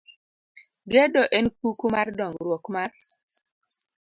Gedo en kuku mar dongruok mar